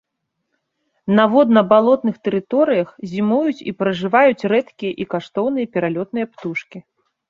На водна-балотных тэрыторыях зімуюць і пражываюць рэдкія і каштоўныя пералётныя птушкі.